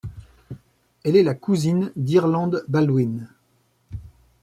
Elle est la cousine d'Ireland Baldwin.